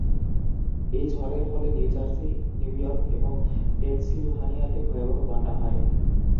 এই ঝড়ের ফলে নিউ জার্সি, নিউ ইয়র্ক এবং পেনসিলভানিয়াতে ভয়াবহ বন্যা হয়।